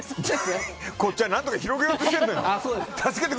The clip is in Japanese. こっちは何とか広げようとしてるんだよ！